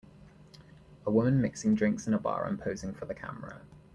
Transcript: A woman mixing drinks in a bar and posing for the camera.